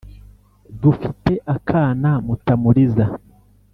Dufite akana Mutamuriza